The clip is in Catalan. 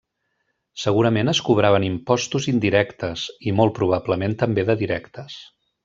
Segurament es cobraven impostos indirectes i molt probablement també de directes.